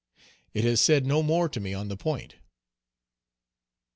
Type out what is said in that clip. It has said no more to me on the point."